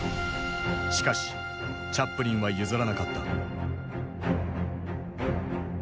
しかしチャップリンは譲らなかった。